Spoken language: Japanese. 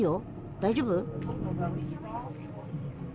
大丈夫？